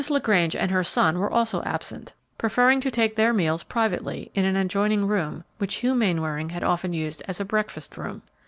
LaGrange and her son were also absent, preferring to take their meals privately in an adjoining room which Hugh Mainwaring had often used as a breakfast room.